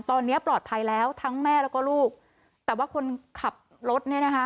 ตอนนี้ปลอดภัยแล้วทั้งแม่แล้วก็ลูกแต่ว่าคนขับรถเนี่ยนะคะ